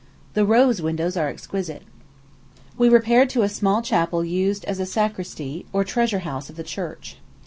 The rose windows are exquisite. We repaired to a small chapel used as a sacristy, or treasure house of the church.